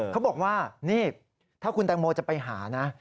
เขาบอกว่านี่ถ้าคุณแตงโมจะไปหานะ